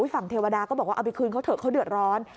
เทวดาก็บอกว่าเอาไปคืนเขาเถอะเขาเดือดร้อน